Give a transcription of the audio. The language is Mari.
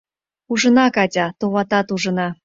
Ужына, Катя, товатат ужына!